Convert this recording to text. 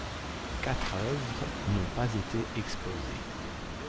Quatre œuvres n'ont pas été exposées.